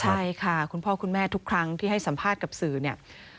ใช่ค่ะคุณพ่อคุณแม่ทุกครั้งที่ให้สัมภาษณ์กับสื่อเนี่ย